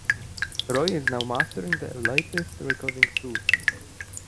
Roy is now mastering their latest recordings too.